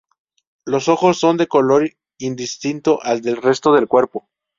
Los ojos son de color indistinto al del resto del cuerpo.